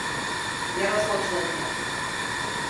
Jaroslav Šlechta.